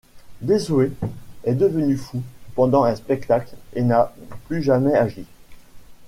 Dessauer est devenu fou pendant un spectacle et n' a plus jamais agi.